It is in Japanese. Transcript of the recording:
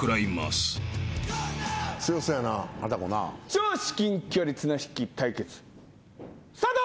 超至近距離綱引き対決スタート！